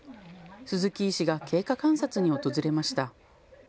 鈴木医師が経過観察に訪れました。